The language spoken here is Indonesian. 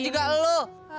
ada juga lu